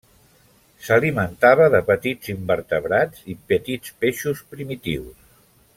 S'alimentava de petits invertebrats i petits peixos primitius.